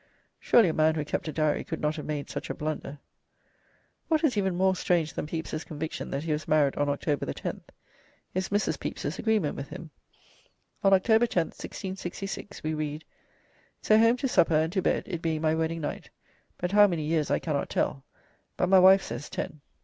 Surely a man who kept a diary could not have made such a blunder." What is even more strange than Pepys's conviction that he was married on October 10th is Mrs. Pepys's agreement with him: On October 10th, 1666, we read, "So home to supper, and to bed, it being my wedding night, but how many years I cannot tell; but my wife says ten."